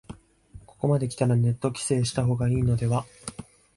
ここまできたらネット規制した方がいいのでは